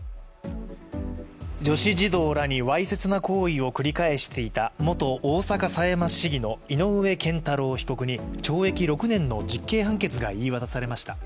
女子児童らにわいせつな行為を繰り返していた元大阪狭山市議の井上健太郎被告に、懲役６年の実刑判決が言い渡されました。